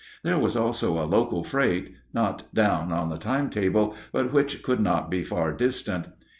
There was also a local freight not down on the time table, but which could not be far distant.